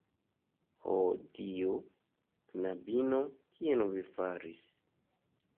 Ho Dio, knabino, kion vi faris!?